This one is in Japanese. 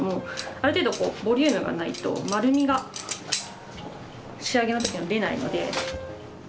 ある程度ボリュームがないと丸みが仕上げの時に出ないので。